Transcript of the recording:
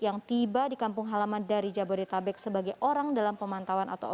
yang tiba di kampung halaman dari jabodetabek sebagai orang dalam pemantauan atau